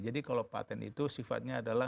jadi kalau patent itu sifatnya adalah